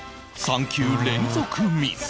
３球連続ミス